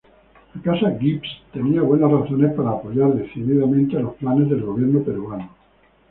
La Casa Gibbs tenía buenas razones para apoyar decididamente los planes del gobierno peruano.